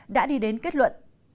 đã đi đến kết luận